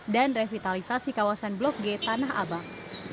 dan revitalisasi kawasan blok g tanah abang